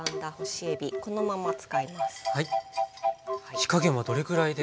火加減はどれくらいで？